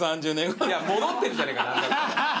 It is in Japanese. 戻ってるじゃねえか何だったら。